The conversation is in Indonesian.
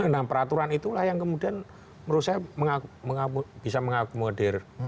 nah peraturan itulah yang kemudian menurut saya bisa mengakomodir